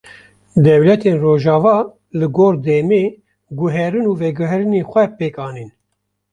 Dewletên rojava li gor demê, guherîn û veguherînên xwe pêk anîn